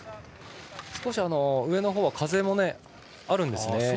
少し上のほうは風もあるんですね。